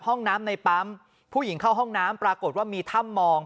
ห้องน้ำในปั๊มผู้หญิงเข้าห้องน้ำปรากฏว่ามีถ้ำมอง